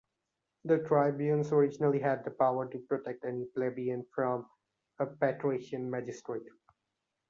The tribunes originally had the power to protect any plebeian from a patrician magistrate.